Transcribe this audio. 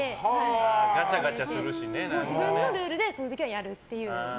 自分のルールでその時はやると。